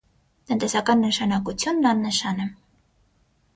Տնտեսական նշանակությունն աննշան է։